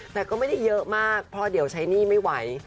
แต่ก็ไม่ได้เยอะมากเพราะเดี๋ยวใช้หนี้ไม่ไหว